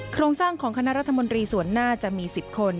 โครงสร้างของคณะรัฐมนตรีส่วนหน้าจะมี๑๐คน